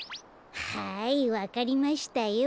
はいわかりましたよ。